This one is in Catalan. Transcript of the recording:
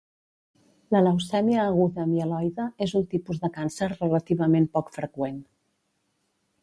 La leucèmia aguda mieloide és un tipus de càncer relativament poc freqüent.